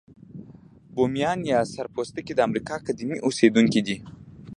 بومیان یا سره پوستکي د امریکا قديمي اوسیدونکي دي.